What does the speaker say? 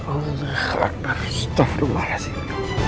oh aku harus taftu marah sih